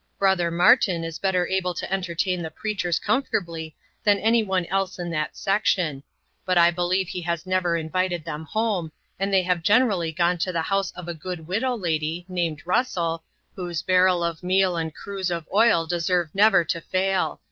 Brother Martin is better able to entertain the preachers comfortably than any one else in that section; but I believe he has never invited them home, and they have generally gone to the house of a good widow lady, named Russell, whose barrel of meal and cruse of oil deserve never to fail.